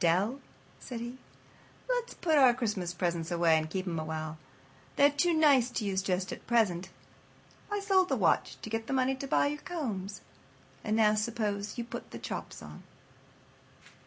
"Dell," said he, "let's put our Christmas presents away and keep 'em a while. They're too nice to use just at present. I sold the watch to get the money to buy your combs. And now suppose you put the chops on."